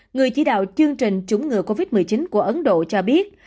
người chỉ đạo chương trình chống ngừa covid một mươi chín của ấn độ cho biết